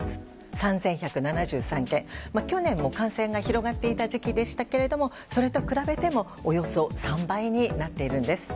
去年も感染が広がっていた時期でしたがそれと比べてもおよそ３倍になっているんです。